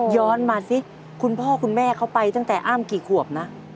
ย้อนมาสิคุณพ่อคุณแม่เขาไปตั้งแต่อ้ำกี่ขวบนะ